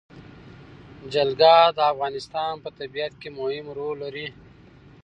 جلګه د افغانستان په طبیعت کې مهم رول لري.